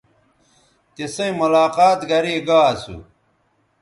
تِسئیں ملاقات گرے گا اسو